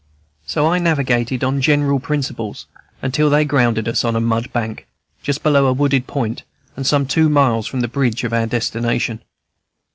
So I navigated on general principles, until they grounded us on a mud bank, just below a wooded point, and some two miles from the bridge of our destination.